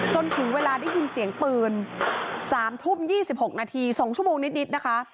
จนถึงเวลาได้ยินเสียงปืน๓ทุ่ม๒๖นาที๒ชั่วโมงนิดนะคะ